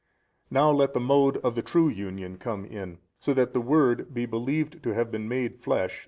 A. Now let the mode of the true Union come in, that so the Word be believed to have been made flesh, i.